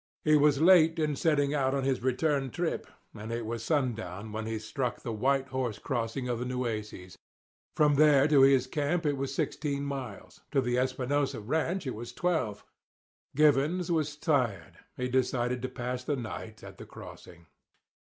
He was late in setting out on his return trip, and it was sundown when he struck the White Horse Crossing of the Nueces. From there to his own camp it was sixteen miles. To the Espinosa ranch it was twelve. Givens was tired. He decided to pass the night at the Crossing.